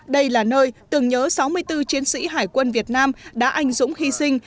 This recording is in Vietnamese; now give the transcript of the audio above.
đây là nơi tưởng nhớ sáu mươi bốn chiến sĩ hải quân việt nam đã anh dũng hy sinh